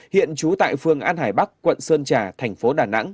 hiện trú tại phường an hải bắc quận sơn trà tp đà nẵng